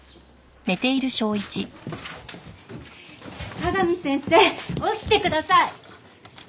香美先生起きてください！